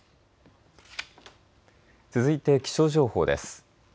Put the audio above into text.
続いて気象情報です。